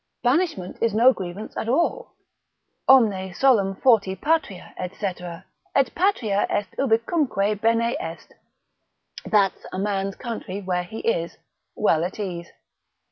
Banishment is no grievance at all, Omne solum forti patria, &c. et patria est ubicunque bene est, that's a man's country where he is well at ease.